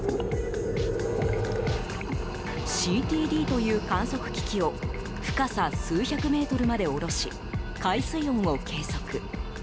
ＣＴＤという観測機器を深さ数百メートルまで下ろし海水温を計測。